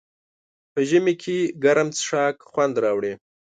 په ژمي کې ګرم څښاک خوند راوړي.